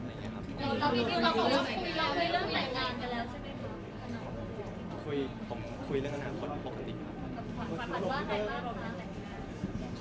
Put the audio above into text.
แล้วพี่ดิวคุยเรื่องแหล่งงานกันแล้วใช่ไหมครับ